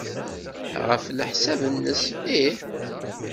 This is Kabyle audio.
Ɣef leḥsab-nnes, ih.